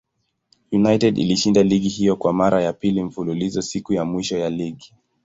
United ilishinda ligi hiyo kwa mara ya pili mfululizo siku ya mwisho ya ligi.